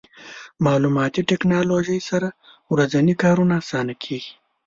مالوماتي ټکنالوژي سره ورځني کارونه اسانه کېږي.